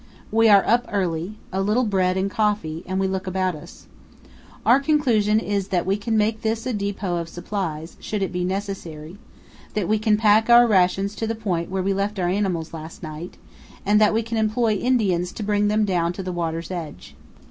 We are up early; a little bread and coffee, and we look about us. Our conclusion is that we can make this a depot of supplies, should it be necessary; that we can pack our rations to the point where we left our animals last night, and that we can employ Indians to bring them down to the water's edge.